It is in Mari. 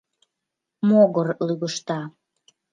Могыр лӱгышта.